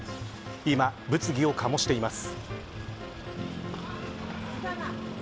今、物議を醸しています。